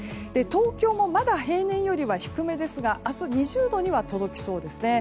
東京もまだ平年より低めですが明日２０度には届きそうですね。